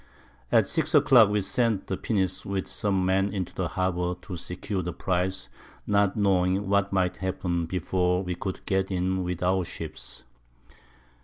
At 6 a Clock we sent the Pinnace with some Men into the Harbour to secure the Prize, not knowing what might happen before we could get in with our Ships.